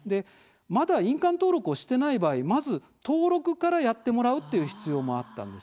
まだ印鑑登録をしてない場合まず登録からやってもらうという必要もあったんです。